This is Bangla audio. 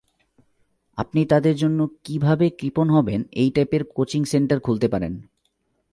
আপনি তাদের জন্য কীভাবে কৃপণ হবেন—এই টাইপের কোচিং সেন্টার খুলতে পারেন।